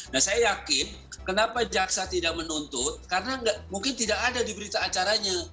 nah saya yakin kenapa jaksa tidak menuntut karena mungkin tidak ada di berita acaranya